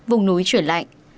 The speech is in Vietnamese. vùng núi chuyển lạnh